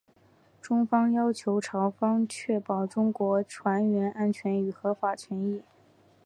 中方要求朝方确保中国船员安全与合法权益。